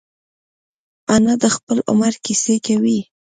انا د خپل عمر کیسې کوي